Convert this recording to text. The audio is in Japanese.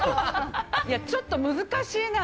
ちょっと難しいな。